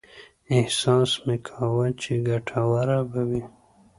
احساس مې کاوه چې ګټوره به وي.